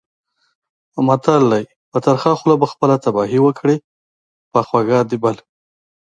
متل دی: په ترخه خوله به خپله تباهي وکړې، په خوږه د بل.